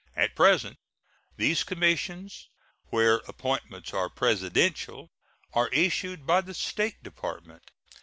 At present these commissions, where appointments are Presidential, are issued by the State Department.